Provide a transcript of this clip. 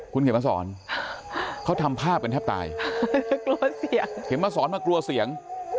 คุณเห็นมาสอนเขาทำภาพกันแทบตายเห็นมาสอนมากลัวเสียง